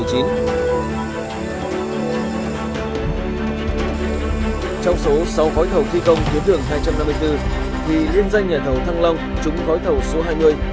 trong số sáu gói thầu thi công tuyến đường hai trăm năm mươi bốn thì liên danh nhà thầu thăng long trúng gói thầu số hai mươi